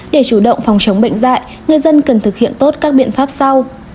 để chủ động phòng chống bệnh dạy người dân cần thực hiện tốt các biện pháp sau